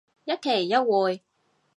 一期一會